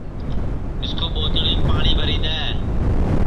مِسکُو ٻوتلِیم پاٹؔی بھری دؔے